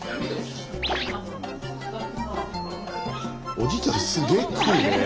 おじいちゃんすげえ食うね。